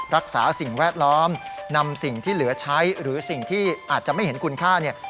รักษาสิ่งแวดล้อมนำสิ่งที่เหลือใช้หรือสิ่งที่อาจจะไม่เห็นคุณค่าเนี่ย